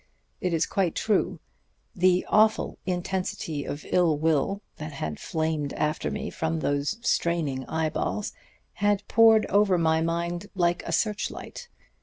It is quite true. The awful intensity of ill will that had flamed after me from those straining eyeballs had poured over my mind like a search light.